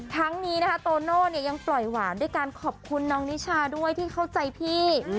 ทั้งนี้นะคะโตโน่เนี่ยยังปล่อยหวานด้วยการขอบคุณน้องนิชาด้วยที่เข้าใจพี่